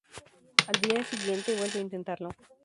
Al día siguiente, vuelve a intentarlo.